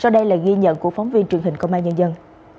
đây là sự ghi nhận của phóng viên truyền hình công an nhân dân